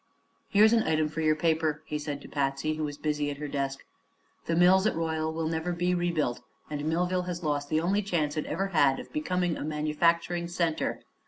"Here's an item for your paper," he said to Patsy, who was busy at her desk. "The mills at Royal will never be rebuilt, and Millville has lost the only chance it ever had of becoming a manufacturing center.